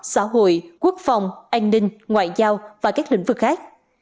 xã hội quốc phòng an ninh ngoại giao và các lĩnh vực khác